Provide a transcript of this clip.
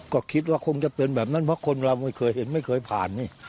ก็คิดว่าคงจะเป็นแบบนั้นเพราะคนเราไม่เคยเห็นไม่เคยผ่านนี่